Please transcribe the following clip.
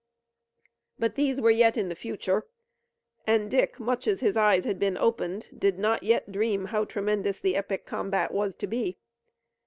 But these were yet in the future, and Dick, much as his eyes had been opened, did not yet dream how tremendous the epic combat was to be.